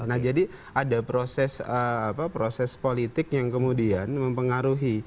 nah jadi ada proses politik yang kemudian mempengaruhi